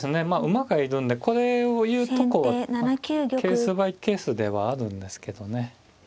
まあ馬がいるんでこれケースバイケースではあるんですけどね。